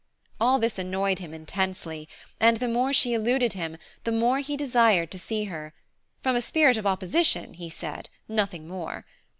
All this annoyed him intensely, and the more she eluded him, the more he desired to see her from a spirit of opposition, he said, nothing more.